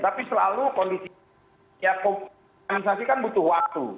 tapi selalu kondisi kan butuh waktu